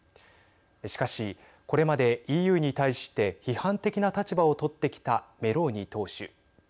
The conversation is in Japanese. しかし、これまでＥＵに対して批判的な立場を取ってきたメローニ党首。